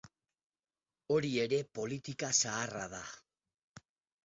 Hori ere politika zaharra da.